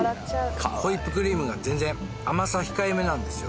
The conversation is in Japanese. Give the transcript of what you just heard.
ホイップクリームが全然甘さ控え目なんですよ。